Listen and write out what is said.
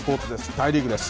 大リーグです。